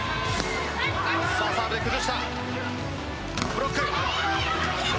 サーブで崩したブロック。